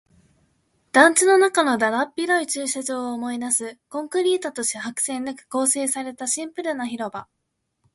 団地の中のだだっ広い駐車場を思い出す。コンクリートと白線で構成されたシンプルな広場。